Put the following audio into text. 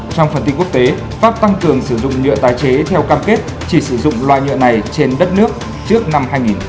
trong phần tin quốc tế pháp tăng cường sử dụng nhựa tái chế theo cam kết chỉ sử dụng loại nhựa này trên đất nước trước năm hai nghìn hai mươi